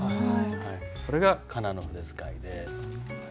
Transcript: これが仮名の筆使いです。